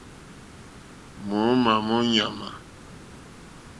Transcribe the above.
Mǒómá mó ɲàmà.